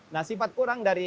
nah sifat kurang dari